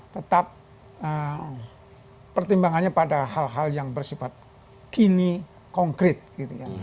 tetap pertimbangannya pada hal hal yang bersifat kini konkret gitu ya